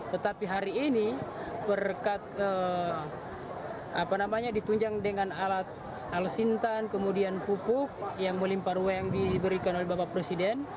tetapi hari ini berkat apa namanya ditunjang dengan alat al sintan kemudian pupuk yang melimpar uang yang diberikan oleh bapak presiden